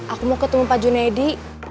aku mau ketemu pak junaidi